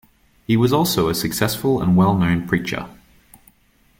He was also a successful and well known preacher.